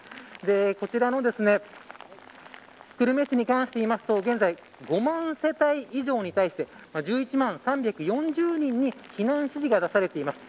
こちらの久留米市に関して言うと現在５万世帯以上に対して１１万３４０人に避難指示が出されています。